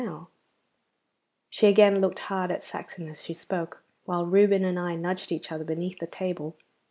She again looked hard at Saxon as she spoke, while Reuben and I nudged each other beneath the table.